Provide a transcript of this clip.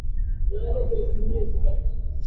Sitafika kwenye harusi.